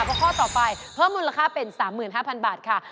เพราะข้อต่อไปเพิ่มมูลค่าเป็น๓๕๐๐๐บาทค่ะ